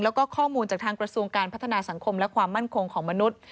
แล้วก็ข้อมูลจากทางกระทรวงการพัฒนาสังคมและความมั่นคงของมนุษย์